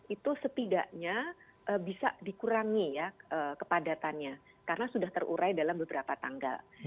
itu setidaknya bisa dikurangi ya kepadatannya karena sudah terurai dalam beberapa tanggal